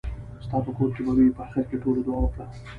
ستاپه کور کې به وي. په اخېر کې ټولو دعا وکړه .